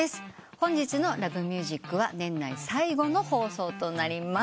本日の『Ｌｏｖｅｍｕｓｉｃ』は年内最後の放送となります。